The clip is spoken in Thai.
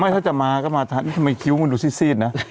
ถ้าจะมาก็มาทันทำไมคิ้วมันดูซีดนะ